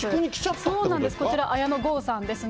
そうなんです、こちら、綾野剛さんですね。